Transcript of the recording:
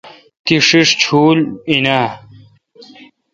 تی ݭیݭ شول این آں؟